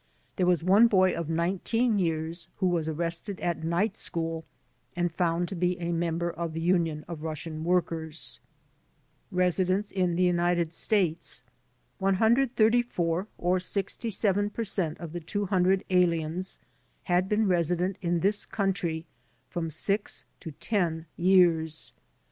There was one boy of 19 years who was arrested at night school and found to be a member of the Union of Russian Workers.* in the United States One htmdred thirty four or 67 per cent of the 200 aliens had been resident in this country from 6 to 10 years.